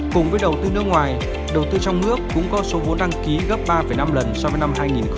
cùng với đầu tư nước ngoài đầu tư trong nước cũng có số vốn đăng ký gấp ba năm lần so với năm hai nghìn một mươi